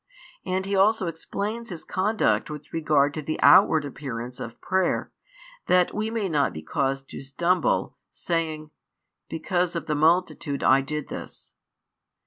And He also explains His conduct with regard to the outward appearance of prayer, that we may not be caused to stumble, saying: because of the multitude I did this.